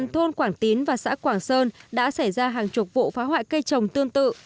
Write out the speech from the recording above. thôn quảng tín và xã quảng sơn đã xảy ra hàng chục vụ phá hoại cây trồng tương tự